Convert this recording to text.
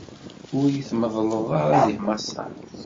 Ur yi-tmeḍleḍ ara di Maṣer!